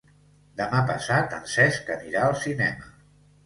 Demà passat en Cesc anirà al cinema.